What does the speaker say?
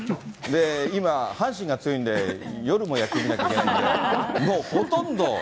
今、阪神が強いんで、夜も野球見なきゃいけないんで、もうほとんど。